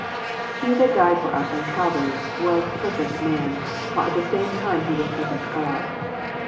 He that died for us on Calvary was perfect man, while at the same time He was perfect God.